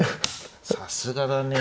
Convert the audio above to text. さすがだね。